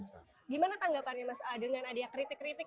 gimana tanggapannya mas dengan adanya kritik kritik